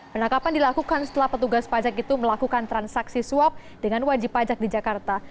penangkapan dilakukan setelah petugas pajak itu melakukan transaksi suap dengan wajib pajak di jakarta